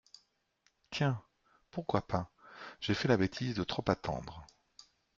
Tiens ! pourquoi pas ?… J'ai fait la bêtise de trop attendre.